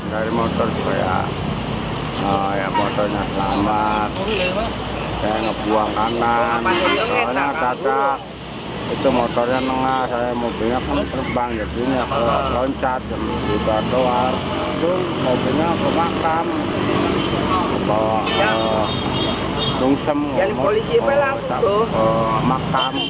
ketika truk berusaha menghindari motor truk berusaha menghantam motor hingga ringsek